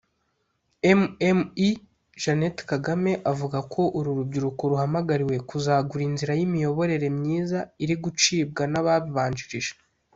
Mme Jeannette Kagame avuga ko uru rubyiruko ruhamagariwe kuzagura inzira y’imiyoborere myiza iri gucibwa n’abababanjirije